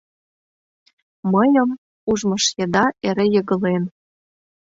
Мыйым ужмыж еда эре йыгылен: